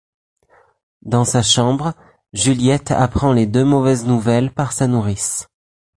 Dans sa chambre, Juliette apprend les deux mauvaises nouvelles par sa Nourrice.